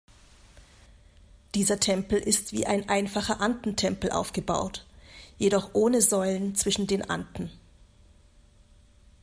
Dieser Tempel ist wie ein einfacher Antentempel aufgebaut, jedoch ohne Säulen zwischen den Anten.